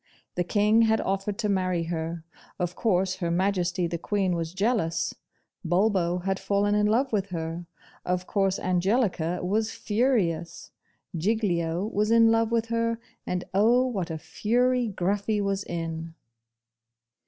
The King had offered to marry her; of course Her Majesty the Queen was jealous: Bulbo had fallen in love with her; of course Angelica was furious: Giglio was in love with her, and oh, what a fury Gruffy was in!